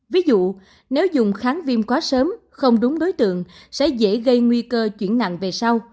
ví dụ nếu dùng kháng viêm quá sớm không đúng đối tượng sẽ dễ gây nguy cơ chuyển nặng về sau